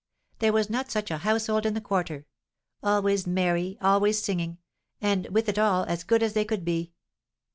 "There was not such a household in the quarter, always merry, always singing, and, with it all, as good as they could be.